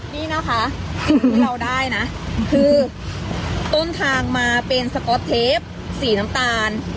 นี่นะคะที่เราได้นะคือต้นทางมาเป็นสก๊อตเทปสีน้ำตาล